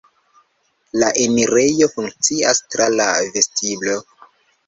La enirejo funkcias tra la vestiblo.